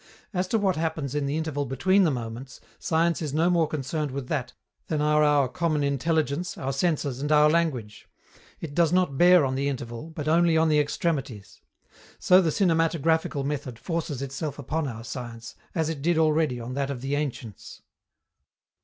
As to what happens in the interval between the moments, science is no more concerned with that than are our common intelligence, our senses and our language: it does not bear on the interval, but only on the extremities. So the cinematographical method forces itself upon our science, as it did already on that of the ancients.